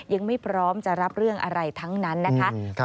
ยังไม่พร้อมจะรับเรื่องอะไรทั้งนั้นนะคะ